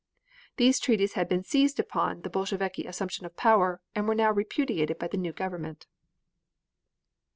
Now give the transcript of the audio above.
These treaties had been seized upon the Bolsheviki assumption of power, and were now repudiated by the new government.